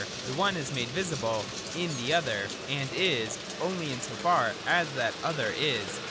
The one is made visible in the other, and is only in so far as that other is.